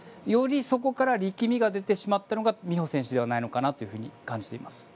よりそこから力みが出てしまったのが美帆選手ではないのかなと感じています。